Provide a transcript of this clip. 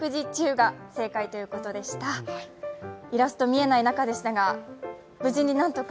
イラスト見えない中でしたが無事に何とか。